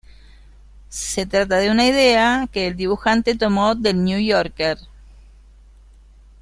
Se trata de una idea que el dibujante tomó del "New Yorker".